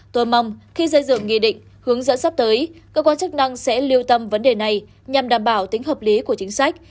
tôi mong khi xây dựng nghị định hướng dẫn sắp tới cơ quan chức năng sẽ lưu tâm vấn đề này nhằm đảm bảo tính hợp lý của chính sách